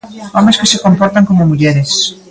Homes que se comportan como mulleres.